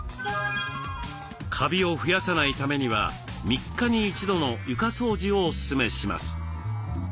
カビを増やさないためには３日に１度の床掃除をオススメします。